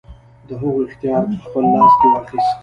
د هغو اختیار په خپل لاس کې واخیست.